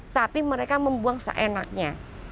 tapi mereka membuang seenaknya